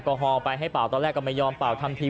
พวกออกมาพวกออกมาโชนด่าเดินครับ